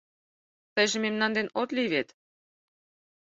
Тыйже мемнан ден от лий вет.